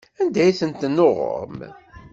Anda ay ten-tennuɣem?